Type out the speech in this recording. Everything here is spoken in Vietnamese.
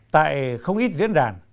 tại không ít diễn đàn